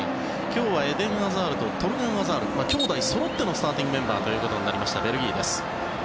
今日はエデン・アザールとトルガン・アザール兄弟そろってのスターティングメンバーとなったベルギーです。